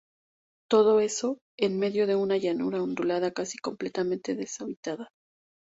Todo eso, en medio de una llanura ondulada casi completamente deshabitada.